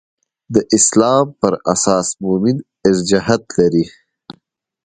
د اسلام پر اساس مومن ارجحیت لري.